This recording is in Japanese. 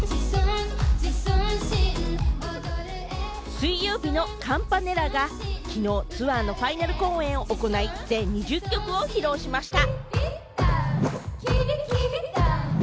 水曜日のカンパネラがきのうツアーのファイナル公演を行い、全２０曲を披露しました。